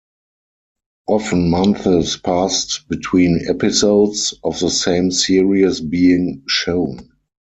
Often months passed between episodes of the same series being shown.